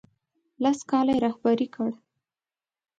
لس کاله یې رهبري کړ.